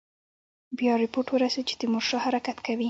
بیا رپوټ ورسېد چې تیمورشاه حرکت کوي.